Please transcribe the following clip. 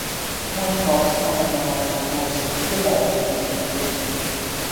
Мојот талисман е едно малечко глувче, помало од обичните глувчиња.